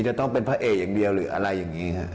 จะต้องเป็นพระเอกอย่างเดียวหรืออะไรอย่างนี้ฮะ